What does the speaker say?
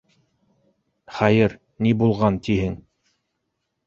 Хәйер, ни булған тиһең...